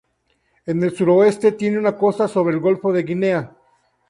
En el Suroeste tiene una costa sobre el Golfo de Guinea.